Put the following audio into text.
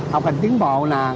học hành tiến bộ